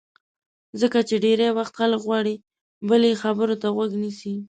ځکه چې ډېری وخت خلک غواړي بل یې خبرو ته غوږ شي.